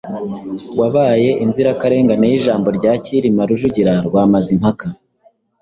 Wabaye inzirikane y'ijambo rya Cyilima Rujugira rwa Mazimpaka,